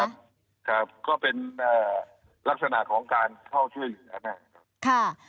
ครับก็เป็นลักษณะของการเข้าช่วยอยู่